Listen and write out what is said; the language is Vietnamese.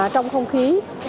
trong không khí